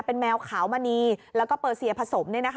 เป็นแมวขาวมณีแล้วก็เปอร์เซียผสม